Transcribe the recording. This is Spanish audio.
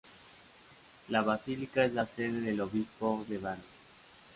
La basílica es la sede del obispo de Vannes.